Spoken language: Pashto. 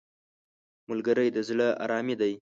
ملګری د زړه آرامي دی